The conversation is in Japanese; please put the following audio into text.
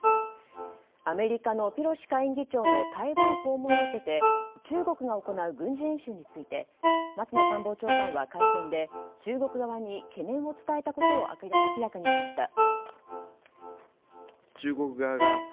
アメリカのペロシ下院議長の台湾訪問を受けて中国が行う軍事演習について松野官房長官は会見で中国側に懸念を伝えたことを明らかにしました。